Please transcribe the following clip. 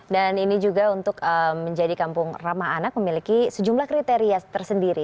dan ini juga untuk menjadi kampung ramah anak memiliki sejumlah kriteria tersendiri